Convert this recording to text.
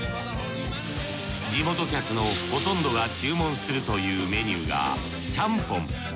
地元客のほとんどが注文するというメニューがちゃんぽん。